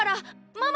ママ。